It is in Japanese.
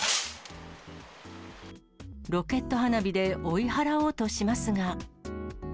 ロケット花火で追い払おうとしますが。